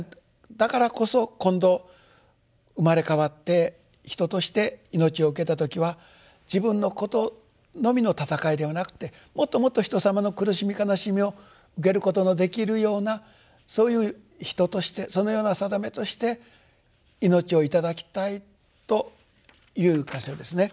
だからこそ今度生まれ変わって人として命を受けた時は自分のことのみの闘いではなくてもっともっと人様の苦しみ悲しみを受けることのできるようなそういう人としてそのような定めとして命を頂きたいという箇所ですね。